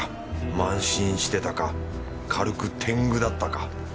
慢心してたか軽く天狗だったか。